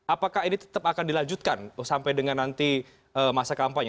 apakah ini tetap akan dilanjutkan sampai dengan nanti masa kampanye